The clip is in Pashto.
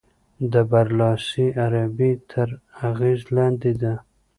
د برلاسې عربي تر اغېز لاندې ده.